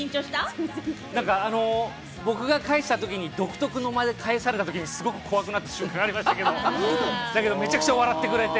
僕が返したときに独特な間で返されたときにすごく怖くなった瞬間がありましたけど、めちゃくちゃ笑ってくれて。